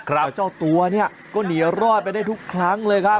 แล้วเจ้าตัวเนี่ยก็หนีรอดไปได้ทุกครั้งเลยครับ